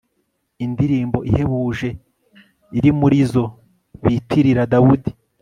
indirimbo ihebuje, iri mu zo bitirira dawudi